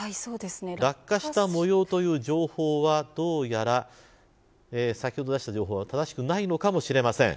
落下したもようという情報は、どうやら先ほど出した情報は正しくないのかもしれません。